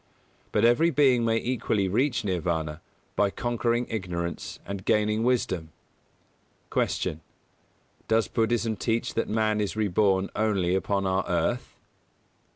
But every being may equally reach Nirvāna, by conquering Ignorance and gaining Wisdom. 143. Q. _Does Buddhism teach that man is reborn only upon our earth?